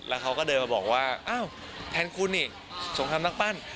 แล้วเขาก็เดินมาบอกว่าอ้าวแทนคุณนี่สงครามนักปั้น